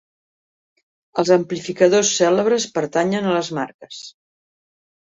Els amplificadors cèlebres pertanyen a les marques.